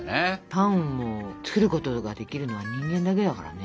パンを作ることができるのは人間だけだからね。